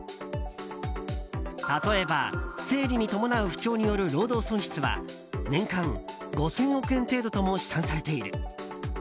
例えば、生理に伴う不調による労働損失は年間５０００億円程度とも試算されている。